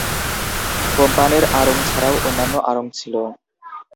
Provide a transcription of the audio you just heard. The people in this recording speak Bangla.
কোম্পানির আড়ং ছাড়াও অন্যান্য আড়ং ছিল।